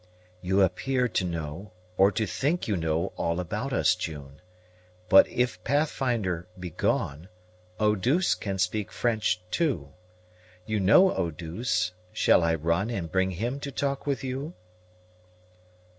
"You appear to know, or to think you know, all about us, June. But if Pathfinder be gone, Eau douce can speak French too. You know Eau douce; shall I run and bring him to talk with you?"